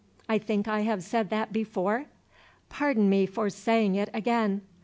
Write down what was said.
I think I have said that before? Pardon me for saying it again.